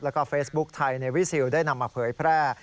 แล้วก็เฟซบุ๊คไทยในวิซิลได้นำมาเผยแพร่